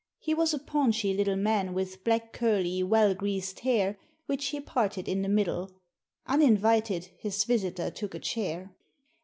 He was a paunchy little man, with black, curly, well greased hair, which he parted in the middle. Uninvited, his visitor took a chair.